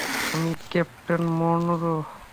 আমি captain Munro.